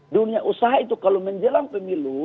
dunia usaha itu kalau menjelang pemilu